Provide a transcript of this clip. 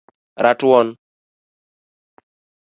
ratuon